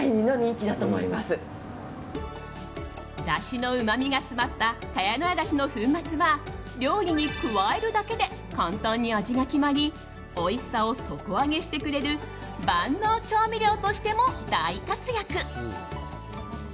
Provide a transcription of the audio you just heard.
だしのうまみが詰まった茅乃舎だしの粉末は料理に加えるだけで簡単に味が決まりおいしさを底上げしてくれる万能調味料としても大活躍。